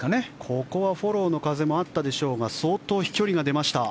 ここはフォローの風もあったでしょうが相当、飛距離が出ました。